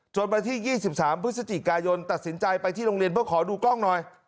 วันที่๒๓พฤศจิกายนตัดสินใจไปที่โรงเรียนเพื่อขอดูกล้องหน่อย